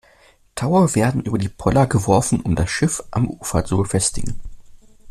Taue werden über die Poller geworfen, um das Schiff am Ufer zu befestigen.